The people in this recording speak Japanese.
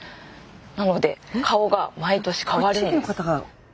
なので顔が毎年変わるんです。